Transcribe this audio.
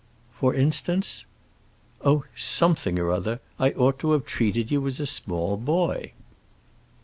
"For instance?" "Oh, something or other. I ought to have treated you as a small boy."